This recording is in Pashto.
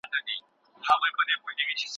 کندهار د لوی افغانستان پخوانۍ پلازمېنه ده.